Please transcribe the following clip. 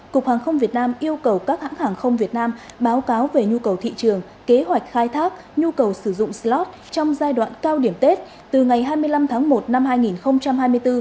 cục hàng không việt nam yêu cầu các hãng hàng không việt nam báo cáo về nhu cầu thị trường kế hoạch khai thác nhu cầu sử dụng slot trong giai đoạn cao điểm tết từ ngày hai mươi năm tháng một năm hai nghìn hai mươi bốn